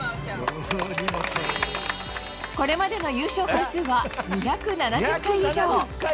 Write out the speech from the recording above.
これまでの優勝回数は２７０回以上。